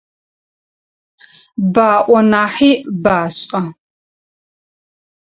Баӏо нахьи башӏэ.